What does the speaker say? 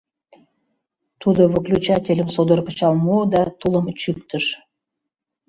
Тудо выключательым содор кычал муо да тулым чӱктыш.